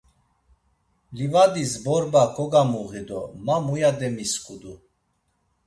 Livadis borba kogamuği do ma muya demisǩudu.